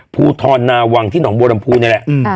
ภูทรนาวังที่หนองบัวลำพูนี่แหละ